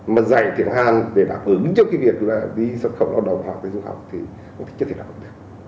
mà dạy tiếng hàn để đáp ứng cho cái việc là đi sân khẩu lao động hoặc là dung học thì chắc chắn là không được